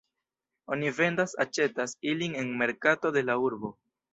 Oni vendas-aĉetas ilin en merkato de la urbo.